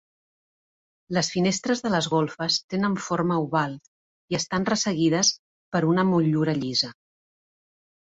Les finestres de les golfes tenen forma oval i estan resseguides per una motllura llisa.